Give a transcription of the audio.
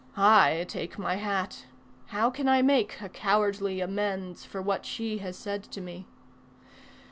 I take my hat: how can I make a cowardly amends For what she has said to me?